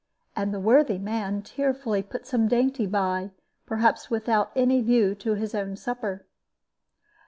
And the worthy man tearfully put some dainty by, perhaps without any view to his own supper.